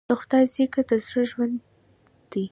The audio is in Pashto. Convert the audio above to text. د خدای ذکر د زړه ژوند دی.